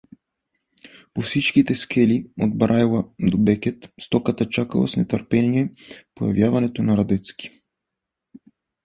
По всичките скели от Браила до Бекет стоката чакала с нетърпение появяванието на Радецки.